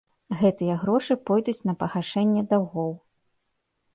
Гэтыя грошы пойдуць на пагашэнне даўгоў.